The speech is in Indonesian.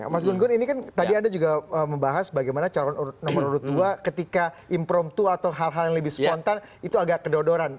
mas gun gun ini kan tadi anda juga membahas bagaimana calon nomor urut dua ketika impromptu atau hal hal yang lebih spontan itu agak kedodoran